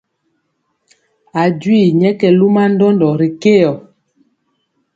A jwii nyɛ kɛ luma ndɔndɔ ri keyɔ.